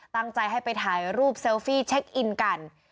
ตั้งใจให้ไปถ่ายรูปเซลฟี่เช็คอินกัน